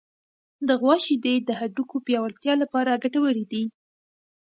د غوا شیدې د هډوکو پیاوړتیا لپاره ګټورې دي.